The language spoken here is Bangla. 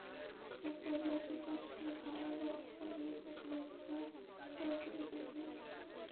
একপর্যায়ে প্রকাশ্যে ধারালো অস্ত্র দিয়ে কুপিয়ে তাঁকে হত্যা করে চলে যান তাঁরা।